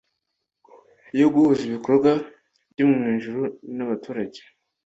yo guhuza ibikorwa byo mwijuru nabaturage